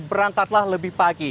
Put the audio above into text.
berangkatlah lebih pagi